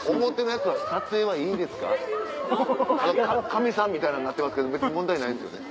神様みたいなんなってますけど別に問題ないんですよね？